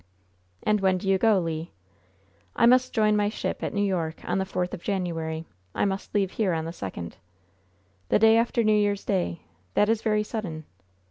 "And when do you go, Le?" "I must join my ship at New York on the fourth of January. I must leave here on the second." "The day after New Year's Day. That is very sudden."